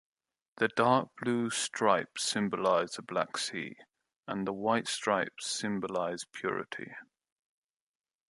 The dark blue stripes symbolize the Black Sea and the white stripes symbolize purity.